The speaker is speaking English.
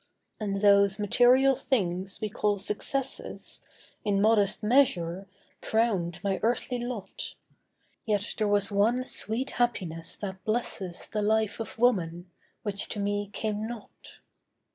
And those material things we call successes, In modest measure, crowned my earthly lot. Yet was there one sweet happiness that blesses The life of woman, which to me came not.